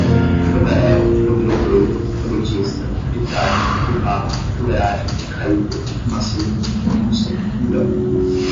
fogaréu, fogueteiro, foguetista, fritar, fubá, fuleragem, caído, fumacê, funça, fundão